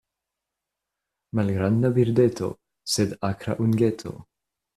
Malgranda birdeto, sed akra ungeto.